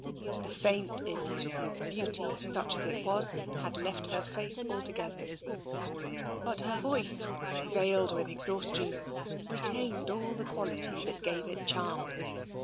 The faint elusive beauty, such as it was, had left her face altogether; but her voice, veiled with exhaustion, retained all the quality that gave it charm.